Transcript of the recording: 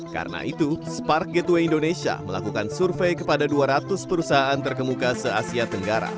karena itu spark gateway indonesia melakukan survei kepada dua ratus perusahaan terkemuka se asia tenggara